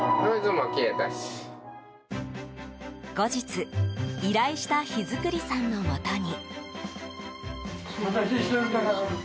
後日、依頼した桧作さんのもとに。